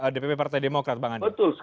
dpp partai demokrat bang andi